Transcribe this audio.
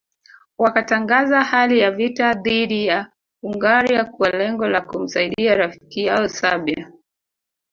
Wakatangaza hali ya vita dhidi ya Hungaria kwa lengo la kumsaidia rafiki yao Serbia